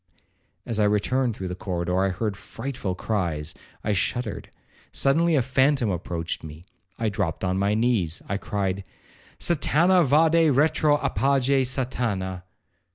As I returned through the corridor, I heard frightful cries—I shuddered. Suddenly a phantom approached me—I dropt on my knees—I cried, 'Satana vade retro—apage Satana.'